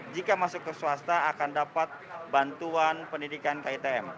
jika masuk ke swasta akan dapat bantuan pendidikan kitm